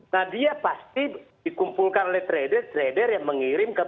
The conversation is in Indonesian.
nah dia pasti dikumpulkan oleh trader trader yang mengirim ke